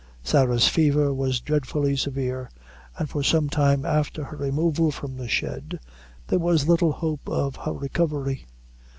Sarah's fever was dreadfully severe, and for some time after her removal from the shed, there was little hope of her recovery.